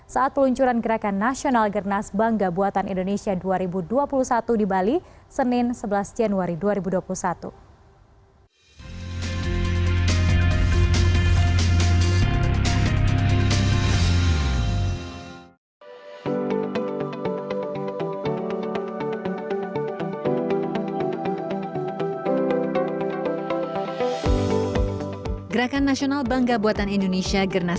saat peluncuran gerakan nasional gernas bangga buatan indonesia dua ribu dua puluh satu di bali senin sebelas januari dua ribu dua puluh satu